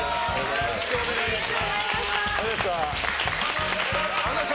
よろしくお願いします。